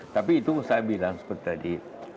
tapi itu saya bilang seperti tadi